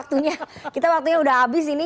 waktunya kita waktunya udah habis ini